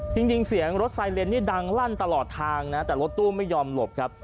จริงเสียงรถไซเลนนี่ดังลั่นตลอดทางนะแต่รถตู้ไม่ยอมหลบครับ